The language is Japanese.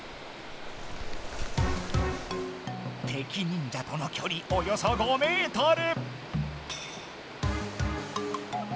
敵忍者とのきょりおよそ５メートル！